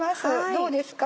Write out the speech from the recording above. どうですか？